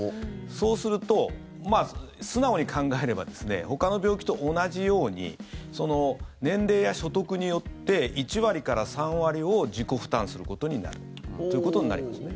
そうすると、素直に考えればほかの病気と同じように年齢や所得によって１割から３割を自己負担することになるということになりますね。